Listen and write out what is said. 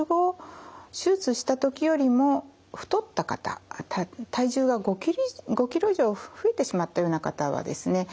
手術した時よりも太った方体重が５ｋｇ以上増えてしまったような方はですね